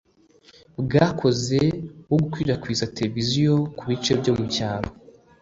bwakoze wo gukwirakwiza televiziyo ku bice byo mu cyaro